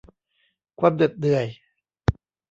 ความเหน็ดเหนื่อย